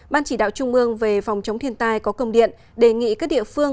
ban chỉ đạo trung ương về phòng chống thiên tai có công điện đề nghị các địa phương